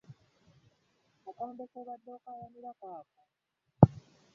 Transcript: Akambe k'obadde okaayanira kako?